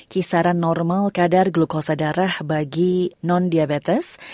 kisaran normal kadar glukosa darah bagi non diabetes